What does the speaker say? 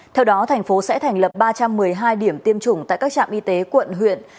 theo đó thành phố sẽ thành lập ba trăm một mươi hai điểm tiêm chủng tại các trạm y tế quận huyện